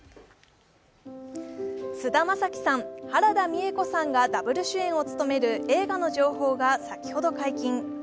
菅田将暉さん、原田美枝子さんがダブル主演を務める映画の情報が先ほど解禁。